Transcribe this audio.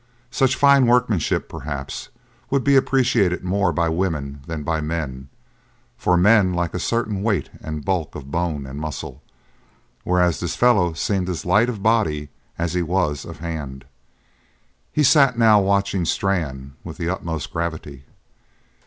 Such fine workmanship, perhaps, would be appreciated more by women than by men; for men like a certain weight and bulk of bone and muscle whereas this fellow seemed as light of body as he was of hand. He sat now watching Strann with the utmost gravity.